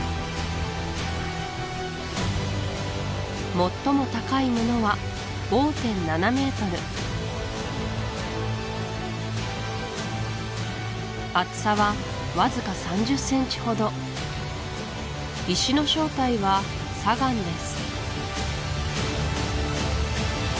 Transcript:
最も高いものは５．７ｍ厚さはわずか３０ｃｍほど石の正体は砂岩です